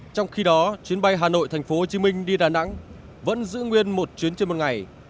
trong khi đó chuyến bay hà nội thành phố hồ chí minh đi đà nẵng vẫn giữ nguyên một chuyến chuyến một ngày